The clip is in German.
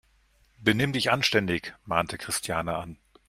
Benimm dich anständig!, mahnte Christiane an.